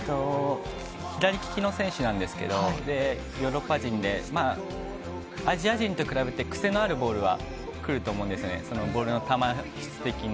左利きの選手なんですけど、ヨーロッパ人で、アジア人と比べて癖のあるボールは来ると思うんですね、ボールの球質的に。